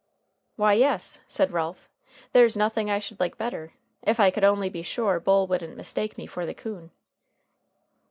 "Why, yes," said Ralph, "there's nothing I should like better, if I could only be sure Bull wouldn't mistake me for the coon."